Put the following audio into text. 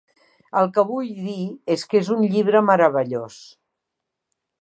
El que vull dir és que es un llibre meravellós.